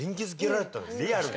リアルに。